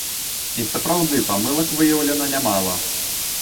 І сапраўды, памылак выяўлена нямала.